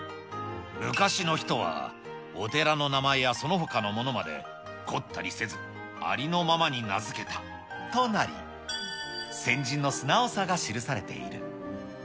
昔の人はお寺の名前やそのほかのものまで、凝ったりせず、ありのままに名付けたとなり、先人の素直さが記されている。